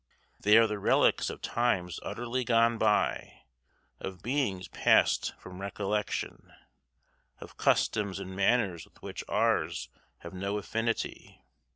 They are the relics of times utterly gone by, of beings passed from recollection, of customs and manners with which ours have no affinity.